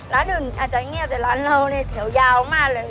ร้านอื่นอาจจะเงียบแต่ร้านเราเนี่ยแถวยาวมากเลย